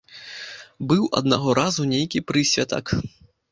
Быў аднаго разу нейкі прысвятак.